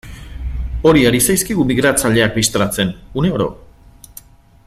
Hori ari zaizkigu migratzaileak bistaratzen, uneoro.